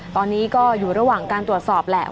ตอนนี้ก็อยู่ระหว่างการตรวจสอบแหละ